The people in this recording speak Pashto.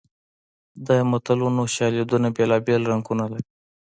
د متلونو شالیدونه بېلابېل رنګونه لري